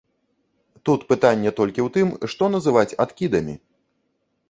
Тут пытанне толькі ў тым, што называць адкідамі.